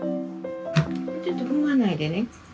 ちょっと踏まないでね。